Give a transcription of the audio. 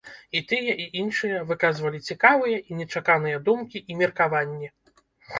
І тыя, і іншыя выказвалі цікавыя і нечаканыя думкі і меркаванні.